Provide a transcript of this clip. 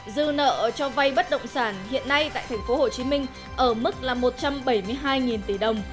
dư nợ cho vay bất động sản hiện nay tại tp hcm ở mức là một trăm bảy mươi hai tỷ đồng